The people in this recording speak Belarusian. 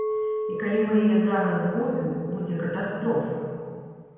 І, калі мы яе зараз згубім, будзе катастрофа.